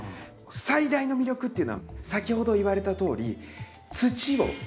最大の魅力っていうのは先ほど言われたとおり土を使わない。